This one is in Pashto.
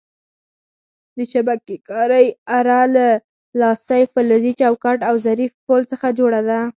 د شبکې کارۍ اره له لاسۍ، فلزي چوکاټ او ظریف پل څخه جوړه ده.